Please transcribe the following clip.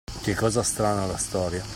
Che cosa strana, la storia.